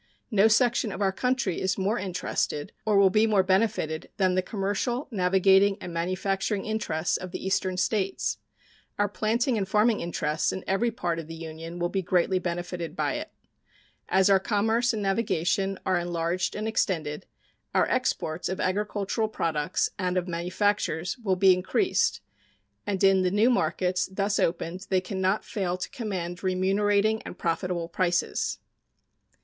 No section of our country is more interested or will be more benefited than the commercial, navigating, and manufacturing interests of the Eastern States. Our planting and farming interests in every part of the Union will Be greatly benefited by it. As our commerce and navigation are enlarged and extended, our exports of agricultural products and of manufactures will be increased, and in the new markets thus opened they can not fail to command remunerating and profitable prices.